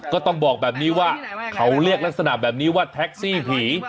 ก็ต้องบอกแบบนี้ว่าเขาเรียกลักษณะแบบนี้ว่าแท็กซี่ผี